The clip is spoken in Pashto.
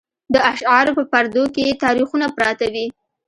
د اشعارو په پردو کې یې تاریخونه پراته وي.